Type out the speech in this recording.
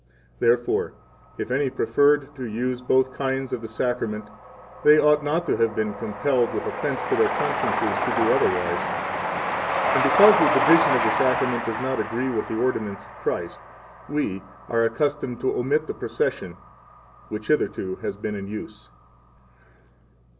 Therefore, if any preferred to use both kinds of the Sacrament, they ought not to have been compelled with offense to their consciences to do otherwise. And because the division 12 of the Sacrament does not agree with the ordinance of Christ, we are accustomed to omit the procession, which hitherto has been in use.